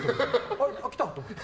あ、来たと思って。